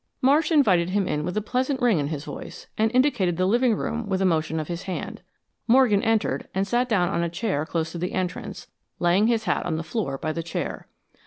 Marsh invited him in with a pleasant ring in his voice, and indicated the living room with a motion of his hand. Morgan entered and sat down on a chair close to the entrance, laying his hat on the floor by the chair.